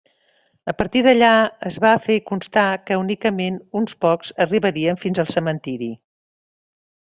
A partir d'allà, es va fer constar que únicament unes pocs arribarien fins al cementiri.